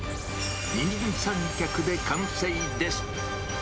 二人三脚で完成です。